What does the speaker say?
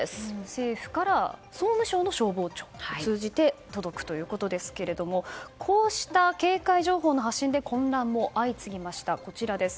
政府から総務省消防庁を通じて届くということですけどもこうした警戒情報の発信で混乱も相次ぎました。